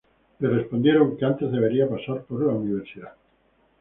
Le respondieron que antes debería pasar por la universidad.